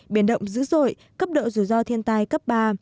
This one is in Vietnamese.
biển động dữ dội cấp độ rủi ro thiên tai cấp ba